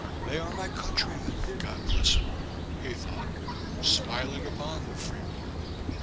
They are my countrymen, God bless 'em," he thought, smiling upon the free born.